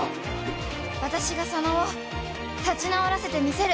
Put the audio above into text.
私が佐野を立ち直らせてみせる